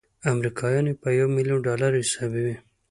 امریکایان یې په یو میلیون ډالرو حسابوي.